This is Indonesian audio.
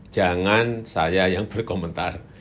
jangan saya yang berkomentar